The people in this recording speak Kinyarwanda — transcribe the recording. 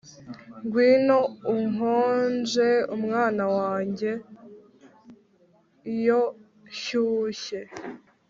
ngwino unkonje, mwana wanjye, iyo nshyushye